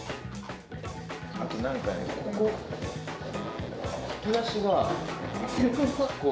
あとなんかね、ここ、引き出ここ。